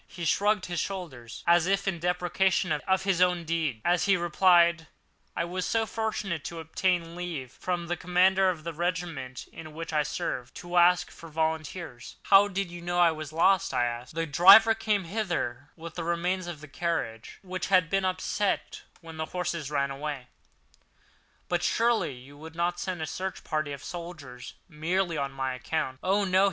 He shrugged his shoulders, as if in depreciation of his own deed, as he replied: "I was so fortunate as to obtain leave from the commander of the regiment in which I served, to ask for volunteers." "But how did you know I was lost?" I asked. "The driver came hither with the remains of his carriage, which had been upset when the horses ran away." "But surely you would not send a search party of soldiers merely on this account?" "Oh, no!"